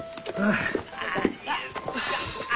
ああ。